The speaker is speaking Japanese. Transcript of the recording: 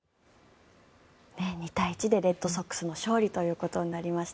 ２対１でレッドソックスの勝利となりました。